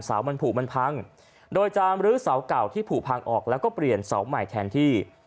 มันผูกมันพังโดยจามรื้อเสาเก่าที่ผูกพังออกแล้วก็เปลี่ยนเสาใหม่แทนที่